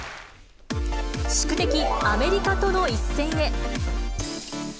宿敵アメリカとの一戦へ。